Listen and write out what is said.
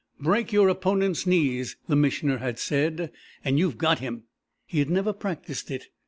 "Break your opponent's knees," the Missioner had said, "and you've got him." He had never practised it.